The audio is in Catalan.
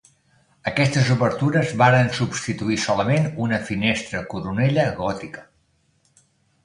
Aquestes obertures varen substituir solament una finestra coronella gòtica.